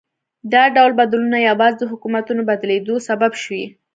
دا ډول بدلونونه یوازې د حکومتونو بدلېدو سبب شوي.